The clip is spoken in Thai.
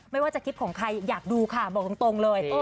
ไม่ว่าจะคลิปของใครอยากดูค่ะบอกตรงเลย